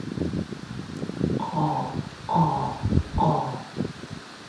餓餓餓